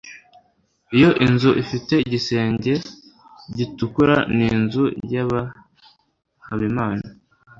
Iyo nzu ifite igisenge gitukura ni inzu ya Habimana.